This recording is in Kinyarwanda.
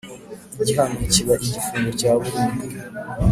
Igihano kiba igifungo cya burundu